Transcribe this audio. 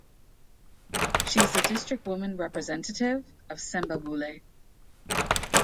She is the district woman representative of Sembabule.